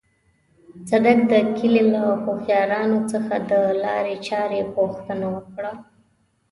صدک د کلي له هوښيارانو څخه د لارې چارې پوښتنه وکړه.